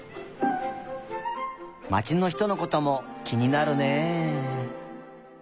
まちのひとのこともきになるねえ。